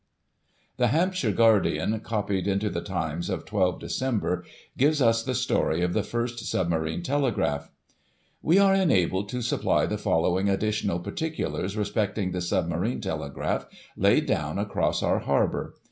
The Hampshire Guardian^ copied into the Times of 12 Dec, gives us the story of the first submarine Telegraph :" We are enabled to supply the following additional particulars respecting the submarine Telegraph laid down across our harbour.